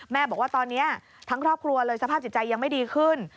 บอกว่าตอนนี้ทั้งครอบครัวเลยสภาพจิตใจยังไม่ดีขึ้น